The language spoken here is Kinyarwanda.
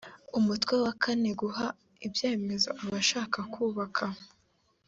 umutwe wa kane guha ibyemezo abashaka kubaka